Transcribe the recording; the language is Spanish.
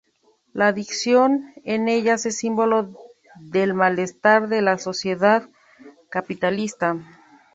La adicción en ellas es símbolo del malestar de la sociedad capitalista.